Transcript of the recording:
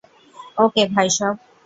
ওকে, ভাইসব!